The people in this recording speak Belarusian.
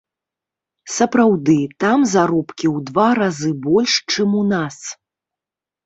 Сапраўды, там заробкі ў два разы больш, чым у нас.